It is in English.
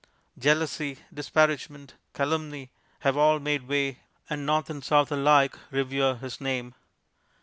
Jealousy, disparagement, calumny, have all made way, and North and South alike revere his name.